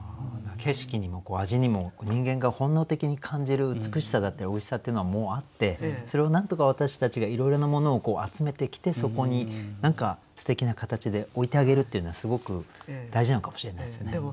景色にも味にも人間が本能的に感じる美しさだったりおいしさっていうのはもうあってそれをなんとか私たちがいろいろなものをこう集めてきてそこにすてきな形で置いてあげるっていうのはすごく大事なのかもしれないですね。